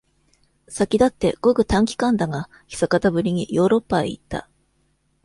先だって、ごく短期間だが、久方ぶりに、ヨーロッパへ行った。